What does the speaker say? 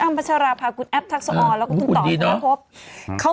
อ้าวประชาราภาคุณแอฟทักษศอร์แล้วคุณต่อพี่พบเขา